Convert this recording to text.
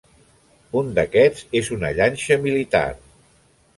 Un d'aquests és una llanxa militar.